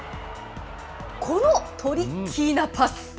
このトリッキーなパス。